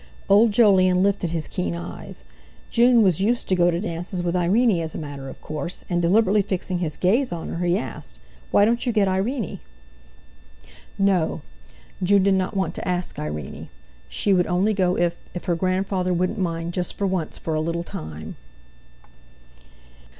Old Jolyon lifted his keen eyes. June was used to go to dances with Irene as a matter of course! and deliberately fixing his gaze on her, he asked: "Why don't you get Irene?" No! June did not want to ask Irene; she would only go if—if her grandfather wouldn't mind just for once for a little time!